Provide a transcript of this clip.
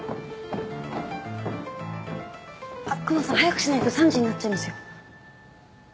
あっ久能さん早くしないと３時になっちゃいますよ。